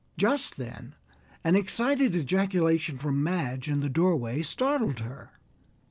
Just then an excited ejaculation from Madge in the doorway startled her.